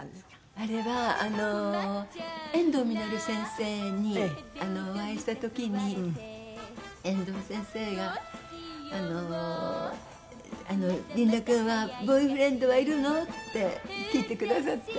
あれは遠藤実先生にお会いした時に遠藤先生があの「リンダ君はボーイフレンドはいるの？」って聞いてくださって。